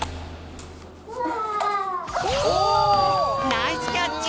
ナイスキャッチ！